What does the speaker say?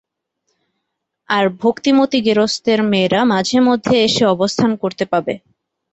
আর ভক্তিমতী গেরস্তের মেয়েরা মধ্যে মধ্যে এসে অবস্থান করতে পাবে।